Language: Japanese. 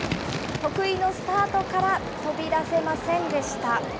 得意のスタートから飛び出せませんでした。